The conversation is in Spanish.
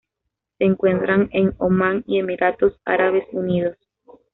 Se encuentra en Omán y Emiratos Árabes Unidos.